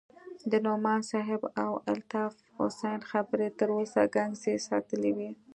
د نعماني صاحب او الطاف حسين خبرې تر اوسه گنگس ساتلى وم.